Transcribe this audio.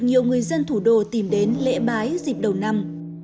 nhiều người dân thủ đô tìm đến lễ bái dịp đầu năm